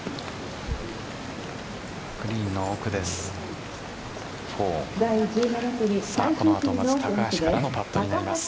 グリーンの奥です。